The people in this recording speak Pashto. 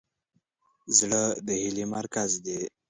زړه د هیلې مرکز دی.